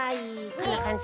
こんなかんじ。